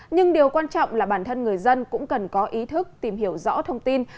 nhưng điều quan trọng là bản thân người dân cũng cần có ý thức tìm hiểu rõ thông tin